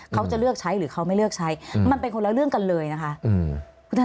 เขาจะเลือกใช้หรือเขาไม่เลือกใช้มันเป็นคนละเรื่องกันเลยนะคะ